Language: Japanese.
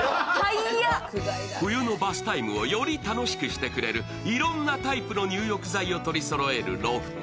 冬のバスタイムをより楽しくしてくれるいろいろなタイプの入浴剤を取りそろえるロフト。